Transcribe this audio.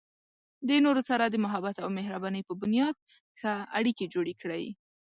د نورو سره د محبت او مهربانۍ په بنیاد ښه اړیکې جوړې کړئ.